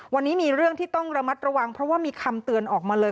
วันนี้มีเรื่องที่ต้องระมัดระวังเพราะว่ามีคำเตือนออกมาเลย